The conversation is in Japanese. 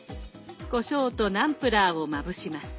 こしょうとナムプラーをまぶします。